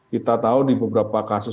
kita tahu di beberapa kasus